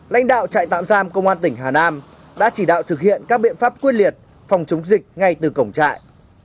lãnh đạo trại tạm giam công an tỉnh hà nam đã chỉ đạo thực hiện các biện pháp quyết liệt phòng chống dịch ngay từ cổng trại